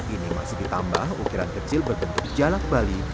ini masih ditambah ukiran kecil berbentuk jalak bali